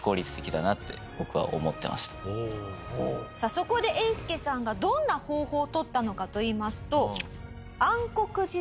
そこでえーすけさんがどんな方法を取ったのかといいますと。